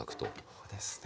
そうですね。